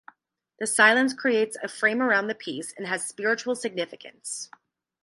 This silence creates a frame around the piece and has spiritual significance.